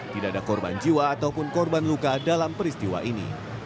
tidak ada korban jiwa ataupun korban luka dalam peristiwa ini